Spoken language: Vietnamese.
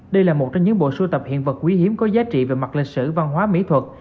đây là một trong những bộ sưu tập hiện vật quý hiếm có giá trị về mặt lịch sử văn hóa mỹ thuật